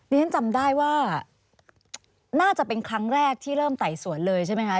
ฉันจำได้ว่าน่าจะเป็นครั้งแรกที่เริ่มไต่สวนเลยใช่ไหมคะ